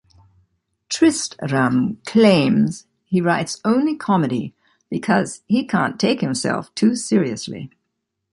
Tristram claims he writes only comedy because he can't take himself too seriously.